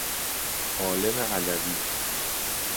عالم علوی